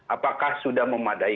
apakah sudah memadai